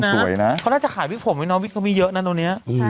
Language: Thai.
สวยนะเขาน่าจะขายวิกผมไว้เนาะวิกเขามีเยอะนะตรงนี้